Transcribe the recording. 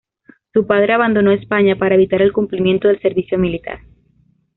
Su padre abandonó España para evitar el cumplimiento del servicio militar.